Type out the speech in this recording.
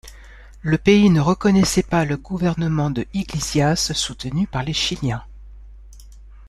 Le pays ne reconnaissait pas le gouvernement de Iglesias soutenu par les chiliens.